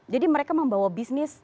jadi mereka membawa bisnis